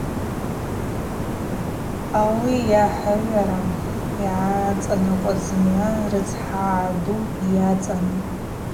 Ауи йахӏыгӏвара йгӏацӏанакӏуаз зымгӏва рыцхӏагӏа ду йацӏан.